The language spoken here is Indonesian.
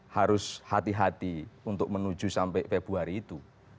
harus hati hati untuk menuju sampai februari itu